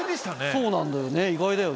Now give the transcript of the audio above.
そうなんだよね。